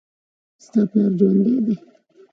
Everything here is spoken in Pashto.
ستا پلار ژوندي دي